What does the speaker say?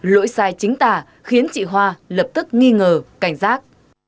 lỗi sai chính tả khiến chị hoa lập tức nghi ngờ cảnh giác